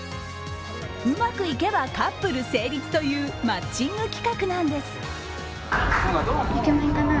うまくいけばカップル成立というマッチング企画なんです。